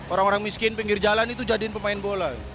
orang orang miskin pinggir jalan itu jadiin pemain bola